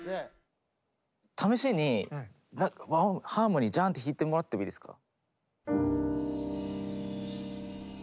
試しに和音ハーモニージャンって弾いてもらってもいいですか。